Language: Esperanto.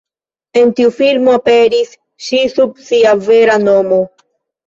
En tiu filmo aperis ŝi sub sia vera nomo.